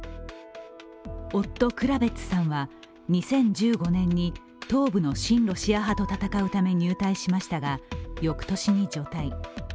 夫・クラベッツさんは２０１５年に東部の親ロシア派と戦うため入隊しましたが、翌年に除隊。